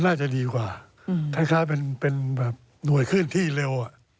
น่าจะดีกว่าคล้ายเป็นหน่วยขึ้นที่เร็ว